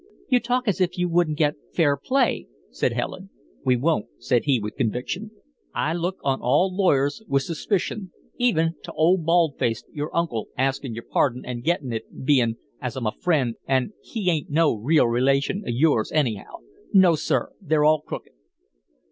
"You talk as if you wouldn't get fair play," said Helen. "We won't," said he, with conviction. "I look on all lawyers with suspicion, even to old bald face your uncle, askin' your pardon an' gettin' it, bein' as I'm a friend an' he ain't no real relation of yours, anyhow. No, sir; they're all crooked."